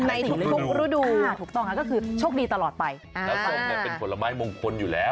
ในทุกทุกฤดูถูกต้องค่ะก็คือโชคดีตลอดไปอ่าแล้วกลมเนี่ยเป็นผลไม้มงคลอยู่แล้ว